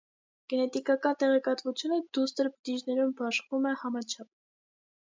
Գենետիկական տեղեկատվությունը դուստր բջիջներում բաշխվում է համաչափ։